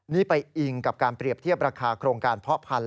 นี่ไปอิงกับการเปรียบเทียบราคาโครงการเพาะพันธุ